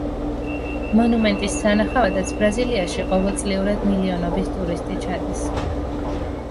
მონუმენტის სანახავადაც ბრაზილიაში ყოველწლიურად მილიონობით ტურისტი ჩადის.